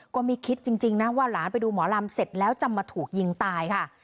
ก็ไม่คิดจริงนะว่าหลานไปดูหมอลำเสร็จแล้วจะมาถูกยิงตายค่ะ